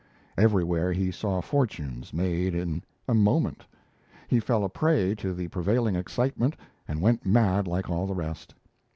Everywhere he saw fortunes made in a moment. He fell a prey to the prevailing excitement and went mad like all the rest.